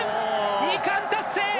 二冠達成！